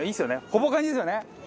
ほぼカニですよね？